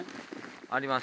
あります。